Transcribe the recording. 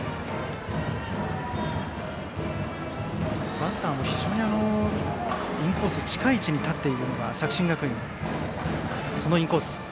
バッターも非常にインコース近い位置に立っている作新学院。